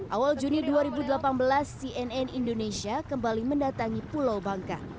awal juni dua ribu delapan belas cnn indonesia kembali mendatangi pulau bangka